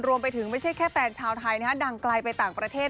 รวมไปถึงไม่ใช่แค่แฟนชาวไทยนะฮะดังไกลไปต่างประเทศ